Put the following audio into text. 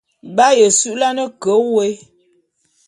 B'aye su'ulane ke wôé.